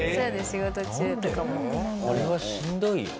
これはしんどいよ。